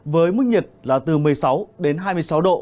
với mức nhiệt là từ một mươi sáu đến hai mươi sáu độ